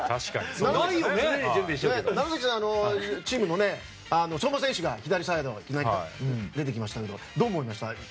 楢崎さんチームの相馬選手が左サイドで出てきましたけれどもどう思いました？